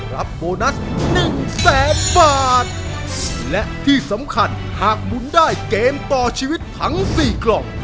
โบนัสหนึ่งแสนบาทและที่สำคัญหากหมุนได้เกมต่อชีวิตทั้งสี่กล่อง